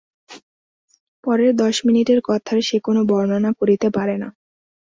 পরের দশ মিনিটের কথার সে কোনো বর্ণনা করিতে পারে না।